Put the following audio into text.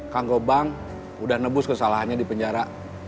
kang gobang udah nebus kesalahannya di penjara